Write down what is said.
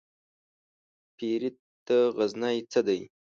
پيري ته غزنى څه دى ؟